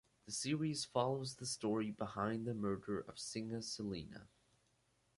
The series follows the story behind the murder of singer Selena.